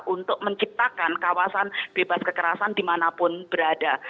untuk menciptakan kawasan bebas kekerasan dimanapun berada